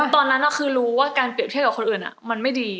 ตอนนั้นคือรู้ว่าการเปรียบเทียบกับคนอื่นมันไม่ดี